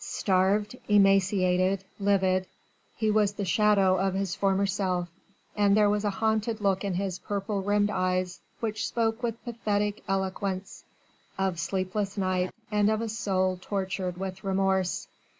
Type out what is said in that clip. Starved, emaciated, livid, he was the shadow of his former self, and there was a haunted look in his purple rimmed eyes which spoke with pathetic eloquence of sleepless nights and of a soul tortured with remorse.